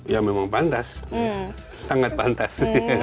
ya memang pantas sangat pantas